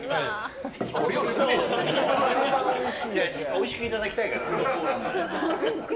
おいしくいただきたいから。